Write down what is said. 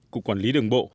cục quản lý đường bộ